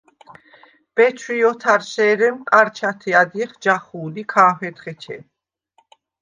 ბეჩვი̄ ოთარშე̄რემ ყა̈რჩათე ადჲეხ ჯახუ̄ლ ი ქა̄ჰვედხ ეჩე.